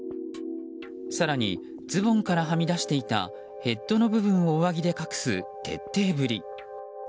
更に、ズボンからはみ出していたヘッドの部分を上着で隠す徹底ぶり。